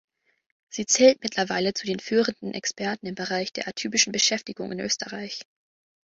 Sie zählt mittlerweile zu den führenden Experten im Bereich der atypischen Beschäftigung in Österreich.